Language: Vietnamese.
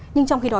nhưng trong khi đó